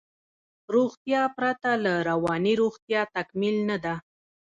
روغتیا پرته له روانی روغتیا تکمیل نده